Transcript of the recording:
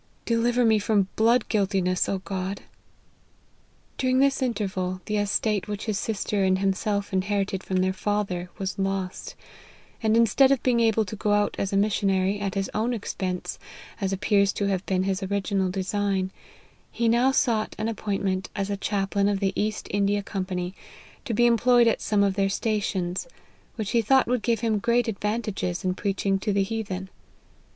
Deliver me from blood guiltiness, God !" 34 LIFE OF HENRY MA.RTYN. During this interval, the estate which his sistej and himself inherited from their father, was lost ; and instead of being able to go out as a missionary, at his own expense, as appears to have been his original design, he now sought an appointment as a chaplain of the East India Company, to be em ployed at some of their stations ; which he thought would give him great advantages in preaching to the heathen.